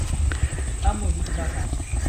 نام موجود نہ تھا۔